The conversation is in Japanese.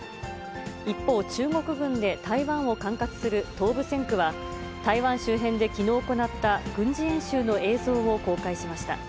一方、中国軍で台湾を管轄する東部戦区は、台湾周辺できのう行った軍事演習の映像を公開しました。